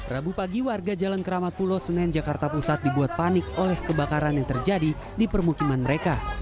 rabu pagi warga jalan keramat pulo senen jakarta pusat dibuat panik oleh kebakaran yang terjadi di permukiman mereka